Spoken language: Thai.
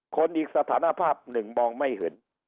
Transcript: คนอีกสถานภาพหนึ่งมองไม่เห็น